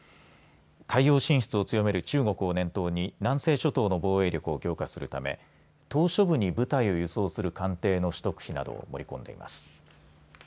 海洋進出を強める中国を念頭に南西諸島の防衛力を強化するため島しょ部に部隊を輸送する艦艇の取得費などを盛り込んでいます。